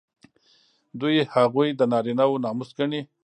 دوی هغوی د نارینه وو ناموس ګڼي.